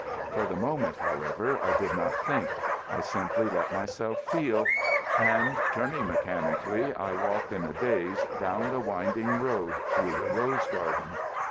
For the moment, however, I did not think. I simply let myself feel; and, turning mechanically, I walked in a daze down the winding road through the rose garden.